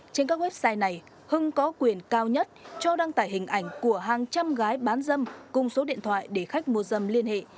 trên các website này hưng có quyền cao nhất cho đăng tải hình ảnh của hàng trăm gái bán dâm cùng số điện thoại để khách mua dâm liên hệ